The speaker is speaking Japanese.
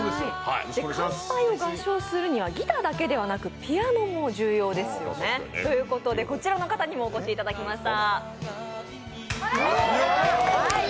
「乾杯」を合唱するにはギターだけじゃなくピアノも重要ですよね。ということで、こちらの方にもお越しいただきました。